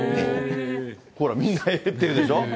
ほら、みんなえーって言うでしょ。